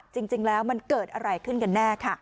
จริงแล้วมันเกิดอะไรขึ้นกันแน่ค่ะ